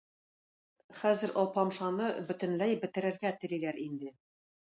Хәзер Алпамшаны бөтенләй бетерергә телиләр инде.